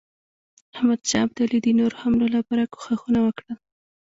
احمدشاه ابدالي د نورو حملو لپاره کوښښونه وکړل.